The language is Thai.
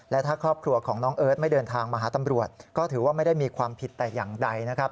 และถ้าครอบครัวของน้องเอิร์ทไม่เดินทางมาหาตำรวจก็ถือว่าไม่ได้มีความผิดแต่อย่างใดนะครับ